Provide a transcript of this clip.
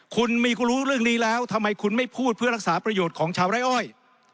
คุณมีคุณรู้เรื่องนี้แล้วทำไมคุณไม่พูดเพื่อรักษาประโยชน์ของชาวไร้อ้อย